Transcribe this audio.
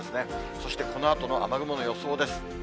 そしてこのあとの雨雲の予想です。